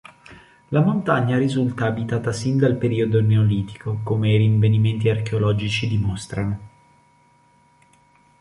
La montagna risulta abitata sin dal periodo neolitico, come i rinvenimenti archeologici dimostrano.